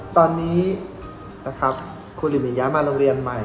ตอนนี้นะครับครูลิมินย้ายมาโรงเรียนใหม่